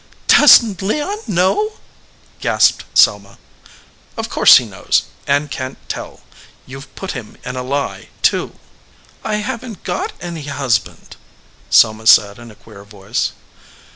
"Does Leon know ?" gasped Selma. "Of course he knows, arid can t tell. You ve put him in a lie, too." "I haven t got any husband," Selma said in a queer voice.